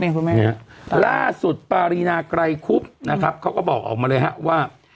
ไม่อยากพูดมั้ยหรอล่าสุดปารีนาไกลฮุปนะครับเขาก็บอกออกมาเลยฮะว่า